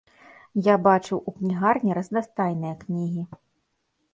Я бачыў у кнігарні разнастайныя кнігі.